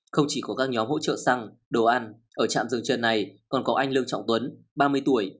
không chỉ có các nhóm hỗ trợ xăng đồ ăn ở trạm rừng trần này còn có anh lương trọng tuấn ba mươi tuổi